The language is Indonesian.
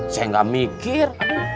saya gak mikir